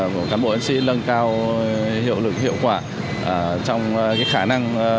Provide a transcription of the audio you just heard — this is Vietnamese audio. của các bộ ấn sĩ lân cao hiệu quả trong khả năng